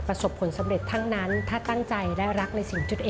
ขอบคุณมากหนูน่ารักมากค่ะในกระเป๋าเดินหน้า